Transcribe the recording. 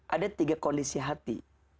ada tiga kondisi hati